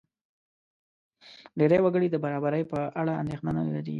ډېری وګړي د برابرۍ په اړه اندېښنه نه لري.